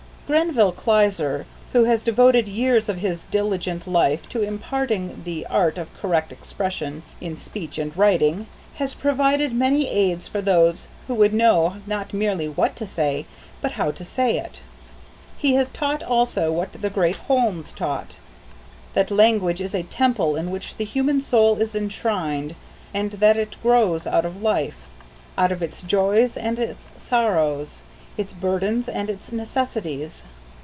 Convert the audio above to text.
GRENVILLE KLEISER, who has devoted years of his diligent life to imparting the art of correct expression in speech and writing, has provided many aids for those who would know not merely what to say, but how to say it. He has taught also what the great HOLMES taught, that language is a temple in which the human soul is enshrined, and that it grows out of life out of its joys and its sorrows, its burdens and its necessities.